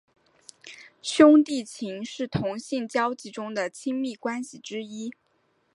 兄弟情是同性交际中的亲密关系之一。